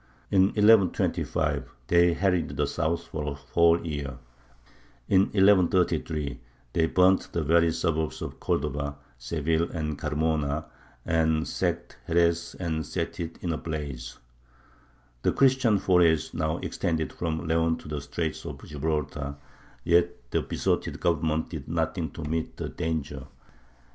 In 1125 they harried the south for a whole year. In 1133 they burnt the very suburbs of Cordova, Seville, and Carmona, and sacked Xeres and set it in a blaze. The Christian forays now extended from Leon to the Straits of Gibraltar, yet the besotted government did nothing to meet the danger.